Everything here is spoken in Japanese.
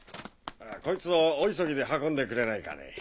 こいつを大急ぎで運んでくれないかね。